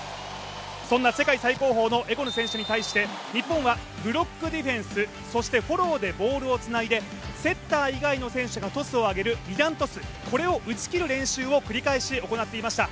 そんな世界最高峰のエゴヌ選手に対して日本はブロックディフェンス、そしてフォローでボールをつないでセッター以外の選手がトスを上げる二段トス、これを打ち切る練習を繰り返し行っていました。